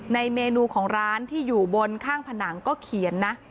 ในเมนูของร้านที่อยู่บนข้างผนังก็เขียนนะ